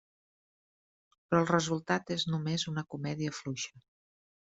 Però el resultat és només una comèdia fluixa.